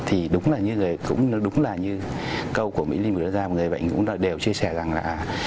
thì đúng là như câu của mỹ linh người đơn giản người bệnh cũng đều chia sẻ rằng là